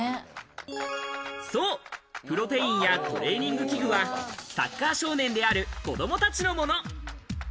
そう、プロテインやトレーニング器具はサッカー少年である子供たちのもの。